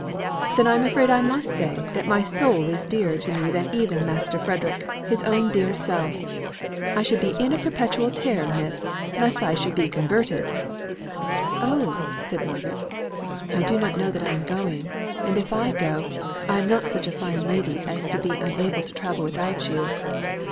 "Then I'm afraid I must say, that my soul is dearer to me than even Master Frederick, his own dear self. I should be in a perpetual terror, Miss, lest I should be converted." "Oh," said Margaret, "I do not know that I am going; and if I go, I am not such a fine lady as to be unable to travel without you.